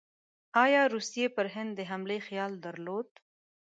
ایا روسیې پر هند د حملې خیال درلود؟